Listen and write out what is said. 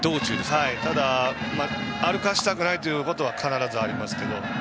ただ、歩かせたくないということはありますが。